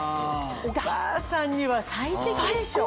お母さんには最適でしょ。